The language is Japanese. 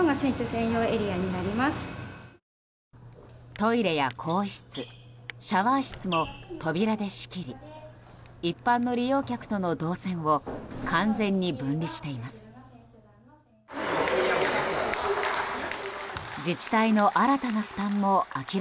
トイレや更衣室シャワー室も扉で仕切り一般の利用客との動線を完全に分離しています。